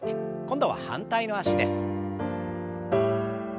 今度は反対の脚です。